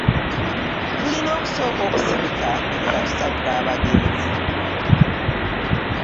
Tulina okusooka okusirika nga tusabira abagenzi.